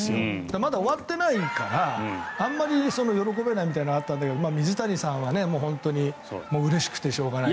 まだ終わっていないからあんまり喜べないみたいなのがあったんだけど水谷さんは本当にうれしくてしょうがない。